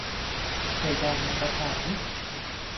ให้ได้มาตรฐาน